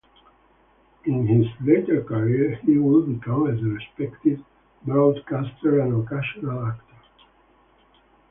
In his later career he would become a respected broadcaster and occasional actor.